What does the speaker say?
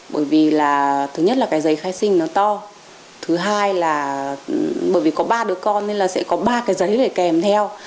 bởi vì là thứ nhất là cái giấy khai sinh nó to thứ hai là bởi vì có ba đứa con nên là sẽ có ba cái giấy để kèm theo